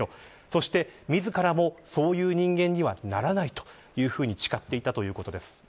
そして、みずからもそういう人間にはならないと誓っていたということです。